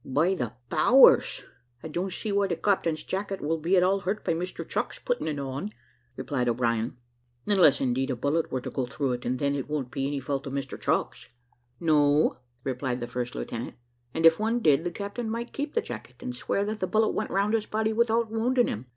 "By the powers! I don't see why the captain's jacket will be at all hurt by Mr Chucks putting it on," replied O'Brien; "unless, indeed, a bullet were to go through it, and then it won't be any fault of Mr Chucks." "No," replied the first lieutenant; "and if one did, the captain might keep the jacket, and swear that the bullet went round his body without wounding him.